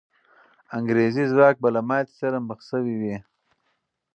انګریزي ځواک به له ماتې سره مخ سوی وي.